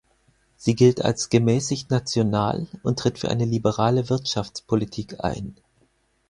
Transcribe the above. Sie gilt als gemäßigt-national und tritt für eine liberale Wirtschaftspolitik ein.